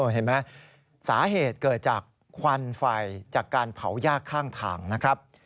เห็นไหมสาเหตุเกิดจากควันไฟจากการเผายากข้างทางนะครับ